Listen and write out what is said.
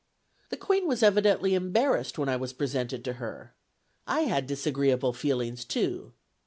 The Queen was evidently embarrassed when I was presented to her. I had disagreeable feelings, too.